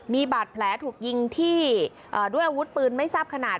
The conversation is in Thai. มีบาดแผลถูกยิงที่ด้วยอาวุธปืนไม่ทราบขนาด